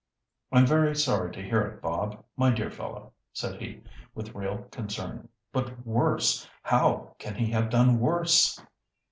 "I'm very sorry to hear it, Bob, my dear fellow," said he with real concern. "But worse! how can he have done worse?"